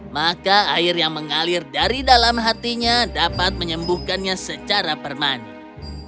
maka air yang mengalir dari dalam hatinya dapat menyembuhkannya secara permanen